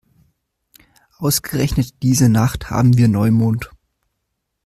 Ausgerechnet diese Nacht haben wir Neumond.